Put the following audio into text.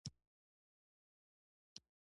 چې دا پسونه حلال شي.